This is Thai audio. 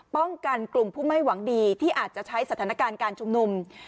กลุ่มผู้ไม่หวังดีที่อาจจะใช้สถานการณ์การชุมนุม